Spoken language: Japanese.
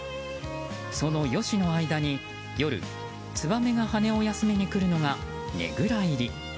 そのヨシの間に夜、ツバメが羽を休めに来るのがねぐら入り。